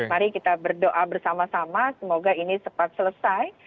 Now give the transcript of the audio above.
mari kita berdoa bersama sama semoga ini cepat selesai